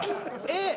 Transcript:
えっ！